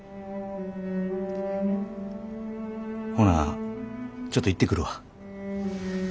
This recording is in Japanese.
ほなちょっと行ってくるわ。